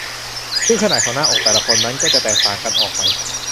ซึ่งขนาดของหน้าอกแต่ละคนนั้นก็จะแตกต่างกันออกไป